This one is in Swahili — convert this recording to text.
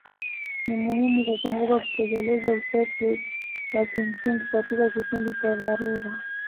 Ni muhimu kukumbuka kutekeleza usafi wa kimsingi katika kipindi cha dharura.